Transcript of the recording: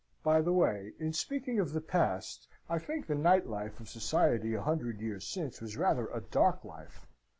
By the way, in speaking of the past, I think the night life of society a hundred years since was rather a dark life.